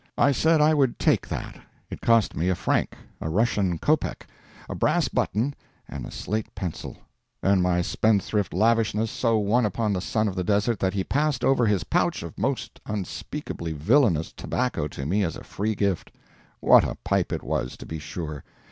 I said I would take that. It cost me a franc, a Russian kopek, a brass button, and a slate pencil; and my spendthrift lavishness so won upon the son of the desert that he passed over his pouch of most unspeakably villainous tobacco to me as a free gift. What a pipe it was, to be sure!